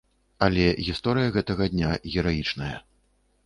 Але гісторыя гэтага дня гераічная.